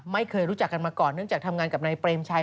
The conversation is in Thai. ไม่เคยรู้จักกันมาก่อนเนื่องจากทำงานกับนายเปรมชัย